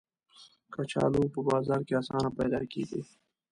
کچالو په بازار کې آسانه پیدا کېږي